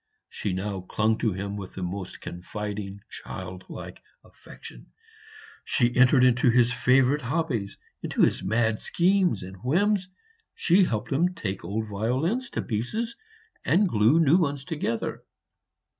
She now clung to him with the most confiding childlike affection; she entered into his favorite hobbies into his mad schemes and whims. She helped him take old violins to pieces and glue new ones together.